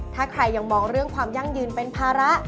ถ้าใครยังมองเรื่องความยั่งยืนเป็นภาระ